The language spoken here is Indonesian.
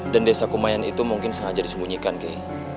dan desa kumayan itu mungkin sengaja disembunyikan kei